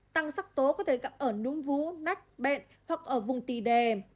tăng sắc tố có thể gặp ở núm vú nách bẹn hoặc ở vùng tì đè